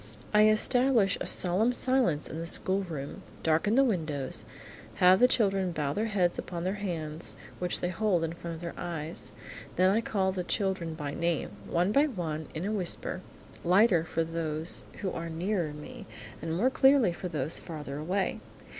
I establish a solemn silence in the schoolroom, darken the windows, have the children bow their heads upon their hands which they hold in front of their eyes. Then I call the children by name, one by one, in a whisper, lighter for those who are nearer me, and more clearly for those farther away.